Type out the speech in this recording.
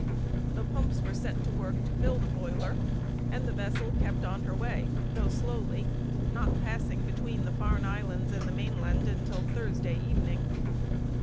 The pumps were set to work to fill the boiler, and the vessel kept on her way, though slowly, not passing between the Farne Islands and the mainland till Thursday evening.